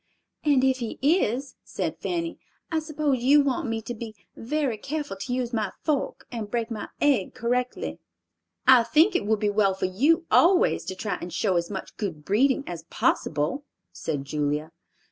"And if he is," said Fanny, "I suppose you want me to be very careful to use my fork, and break my egg correctly." "I think it would be well for you always to try and show as much good breeding as possible," said Julia.